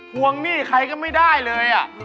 วงหนี้ใครก็ไม่ได้เลย